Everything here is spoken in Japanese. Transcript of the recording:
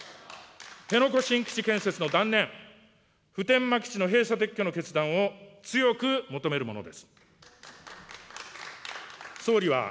辺野古新基地建設の断念、普天間基地の閉鎖・撤去の決断を強く求めるものです。